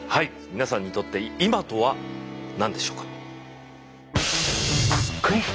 皆さんにとって今とは何でしょうか？